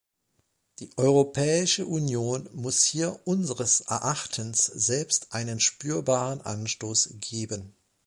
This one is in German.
Die Europäische Union muss hier unseres Erachtens selbst einen spürbaren Anstoß geben.